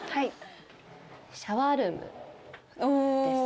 シャワールームです。